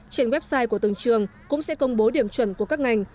trên website của từng trường cũng sẽ công bố điểm chuẩn của các ngành